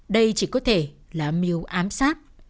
đây chỉ có thể là mưu ám sát